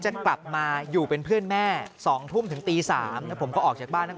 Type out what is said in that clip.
จะกลับมาอยู่เป็นเพื่อนแม่๒ทุ่มถึงตี๓แล้วผมก็ออกจากบ้านทั้ง